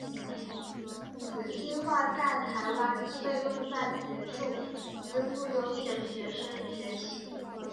此计画在台湾亦被用在协助资赋优异的学生学习。